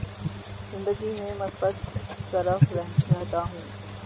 زندگی میں مثبت طرف رہتا ہوں